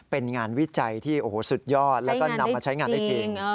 เป็นงานวิจัยที่โอ้โหสุดยอดแล้วก็นำมาใช้งานได้จริง